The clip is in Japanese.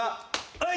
はい！